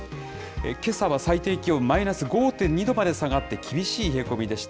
けさは最低気温マイナス５．２度まで下がって、厳しい冷え込みでした。